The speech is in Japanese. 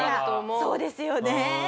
そうですよね。